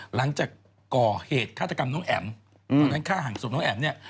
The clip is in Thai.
หลังจากก่อเหตุฆาตกรรมน้องแอ๋มตอนนั้นฆ่าหันศพน้องแอ๋มเนี่ย